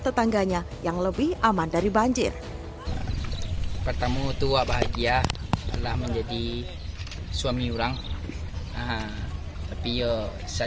tetangganya yang lebih aman dari banjir pertama butuh bahagia telah menjadi suami orang lebih